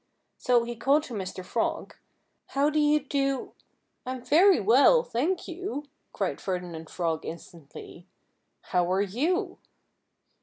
So he called to Mr. Frog, "How do you do——" "I'm very well, thank you!" cried Ferdinand Frog instantly. "How are you?"